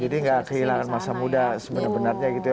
jadi nggak kehilangan masa muda sebenarnya gitu ya